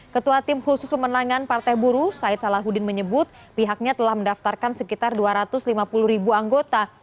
ketua tim khusus pemenangan partai buru said salahuddin menyebut pihaknya telah mendaftarkan sekitar dua ratus lima puluh ribu anggota